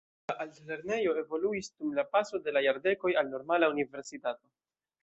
La altlernejo evoluis dum la paso de la jardekoj al normala universitato.